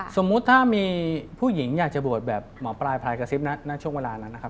สมมุติถ้ามีผู้หญิงอยากจะบวชแบบหมอปลายพลายกระซิบณช่วงเวลานั้นนะครับ